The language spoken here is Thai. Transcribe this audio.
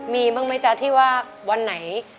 มีบ้างไหมจ๊ะที่ว่าวันไหน